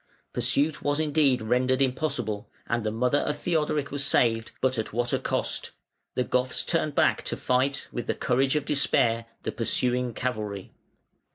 Pursuit was indeed rendered impossible, and the mother of Theodoric was saved, but at what a cost! The Goths turned back to fight, with the courage of despair, the pursuing cavalry.